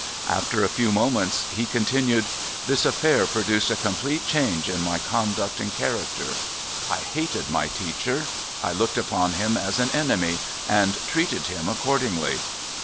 After a few moments, he continued : Blighted. 63 "This affair produced a complete change in my conduct and character. I liated my teacher. I looked upon him as an enemy, and treated him accordingly.